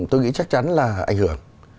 tôi nghĩ chắc chắn là ảnh hưởng